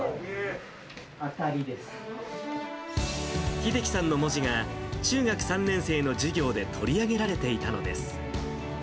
秀樹さんの文字が、中学３年生の授業で取り上げられていたのです。